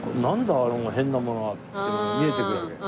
あの変なものは？」っていうのが見えてくるわけ。